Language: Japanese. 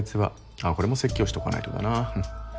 あっこれも説教しとかないとだなふふっ。